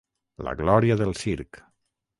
La glòria del circ.